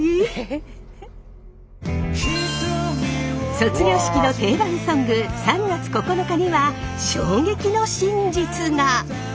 卒業式の定番ソング「３月９日」には衝撃の真実が！